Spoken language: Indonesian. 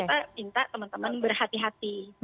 kita minta teman teman berhati hati